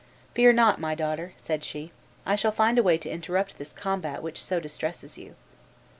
"Fear not, my daughter," said she, "I shall find a way to interrupt this combat which so distresses you."